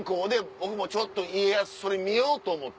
僕もちょっと家康それ見ようと思って。